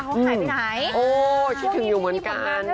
เข้าข้างในไปไหนโอ้ชื่อคิดถึงอยู่เหมือนกันของงานที่